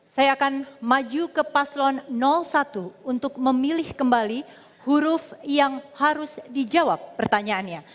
saya akan maju ke paslon satu untuk memilih kembali huruf yang harus dijawab pertanyaannya